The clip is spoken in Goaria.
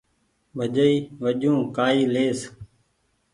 ڀجئي وجون ڪآئي ليئس